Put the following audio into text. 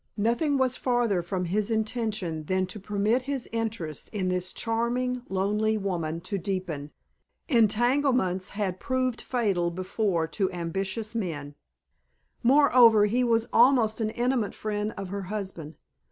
Nothing was farther from his intention than to permit his interest in this charming lonely woman to deepen; entanglements had proved fatal before to ambitious men; moreover he was almost an intimate friend of her husband.